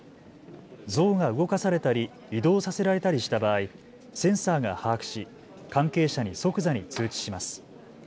像が動かされたり移動させられたりした場合、センサーが把握し関係者に即座に通知します。